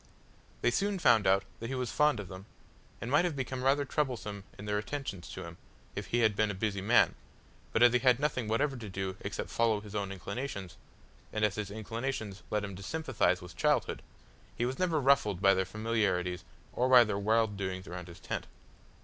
They soon found out that he was fond of them, and might have become rather troublesome in their attentions to him, if he had been a busy man, but as he had nothing whatever to do except follow his own inclinations, and as his inclinations led him to sympathise with childhood, he was never ruffled by their familiarities or by their wild doings around his tent.